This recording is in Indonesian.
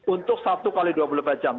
untuk satu x dua puluh empat jam